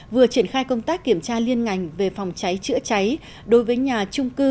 vừa triển khai công tác kiểm tra liên ngành về phòng cháy chữa cháy đối với nhà trung cư